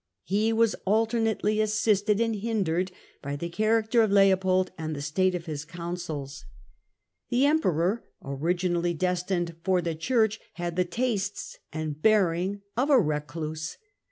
He was alternately assisted and hindered by the character of Leopold and the state of The Em his councils. The Emperor, originally destined peror. for the Church, had the tastes and bearing of a recluse.